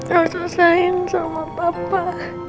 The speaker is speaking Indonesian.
harus selesain sama papa